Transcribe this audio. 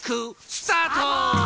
スタート！